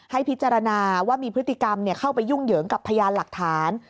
ให้พิจารณาว่ามีพฤติกรรมเข้าไปยุ่งเหยิงกับพยานหลักฐาน